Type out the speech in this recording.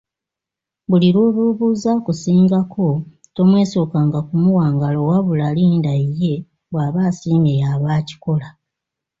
Buli lw’oba obuuza, akusingako tomwesokanga kumuwa ngalo, wabula linda ye bw’aba asiimye y’aba akikola.